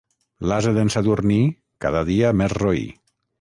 L'ase d'en Sadurní, cada dia més roí.